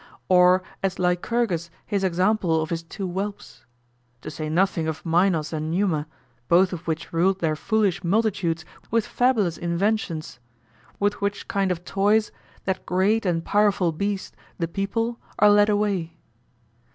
Or as Lycurgus his example of his two whelps? To say nothing of Minos and Numa, both which ruled their foolish multitudes with fabulous inventions; with which kind of toys that great and powerful beast, the people, are led anyway.